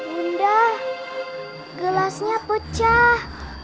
bunda gelasnya pecah